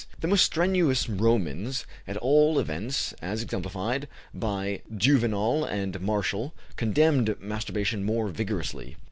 The more strenuous Romans, at all events as exemplified by Juvenal and Martial, condemned masturbation more vigorously.